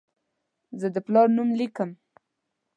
زه د پلار نوم لیکم.